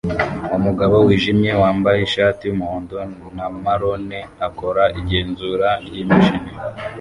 Umugabo wijimye wambaye ishati yumuhondo na marone akora igenzura ryimashini